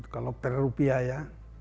kalau per rupiah ya